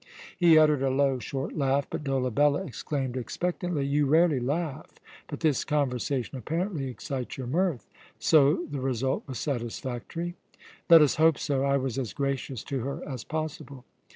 He uttered a low, short laugh; but Dolabella exclaimed expectantly: "You rarely laugh, but this conversation apparently excites your mirth. So the result was satisfactory?" "Let us hope so. I was as gracious to her as possible."